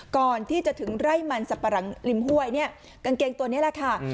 ก่อนที่จะถึงไร่มันสับปะหลังริมห้วยเนี่ยกางเกงตัวนี้แหละค่ะ